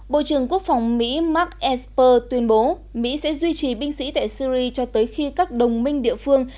bộ trưởng quốc phòng mỹ mark esper tuyên bố mỹ sẽ duy trì binh sĩ tại syri cho tới khi các đồng minh địa phương